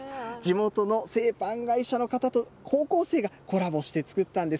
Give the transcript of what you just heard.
地元の製パン会社の方と高校生がコラボして作ったんです。